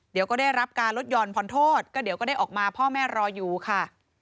เดี๋ยวก็ได้รับการลดห่อนผ่อนโทษก็เดี๋ยวก็ได้ออกมาพ่อแม่รออยู่ค่ะ